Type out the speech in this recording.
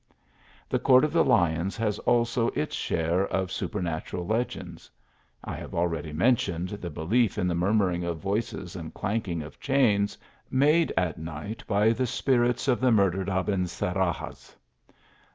The Court of the Lions has also its share of supernatural legends. I have already mentioned the belief in the murmuring of voices and clanking of chains, made at night by the spirits of the mur dered Abencerrages.